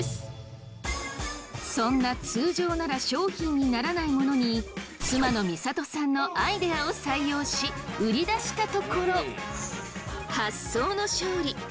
そんな通常なら商品にならないものに妻の深里さんのアイデアを採用し売り出したところ。